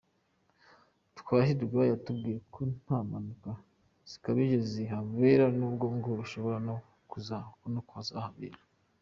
Twahirwa yatubwiye ko nta mpanuka zikabije zihabera n’ubwo ngo bishoboka ko zahabera.